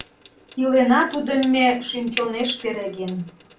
Илена тудым ме шӱм-чонеш переген.